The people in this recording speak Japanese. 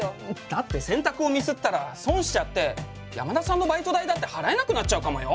だって選択をミスったら損しちゃって山田さんのバイト代だって払えなくなっちゃうかもよ！